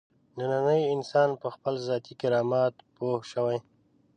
نننی انسان په خپل ذاتي کرامت پوه شوی.